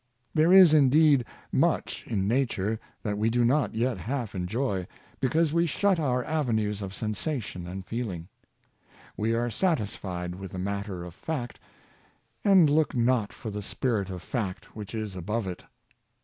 There is indeed much in nature that we do not yet half enjoy, because we shut our avenues of sensation and feeling. We are satisfied with the matter of fact, and look not for the spirit of fact which is above it.